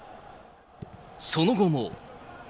その後も。